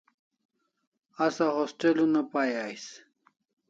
Asa hostel una pai ais